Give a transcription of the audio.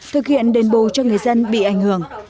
thực hiện đền bù cho người dân bị ảnh hưởng